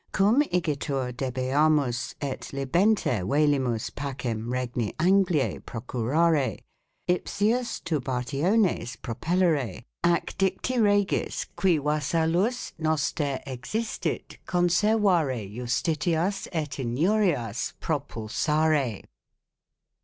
Cum igitur debeamus et libenter uelimus pacem Regni Anglie procurare. ipsius turbationes 4 propellere, ac dicti Regis qui uasallus noster existit conseruare iustitias et iniurias propulsare.